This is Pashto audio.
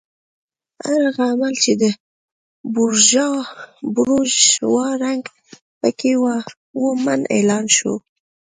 هر هغه عمل چې د بورژوا رنګ پکې و منع اعلان شو.